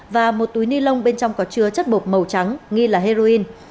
và một túi ni lông bên trong có chứa chất bột màu trắng nghi là heroin